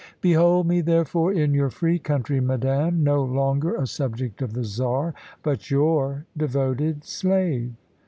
Behold me, therefore, in your free country, madame, no longer a subject of the Czar, but your devoted slave."